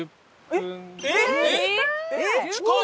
えっ近い！